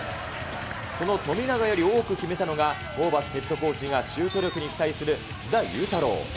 その富永より多く決めたのが、ホーバスヘッドコーチがシュート力に期待する須田侑太郎。